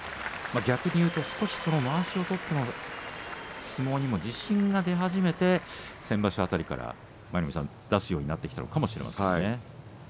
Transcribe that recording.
逆にいうと、少しまわしを取ってまわしを取っての相撲に自信が出始めて先場所辺りから出すようになっていったのかもしれませんね。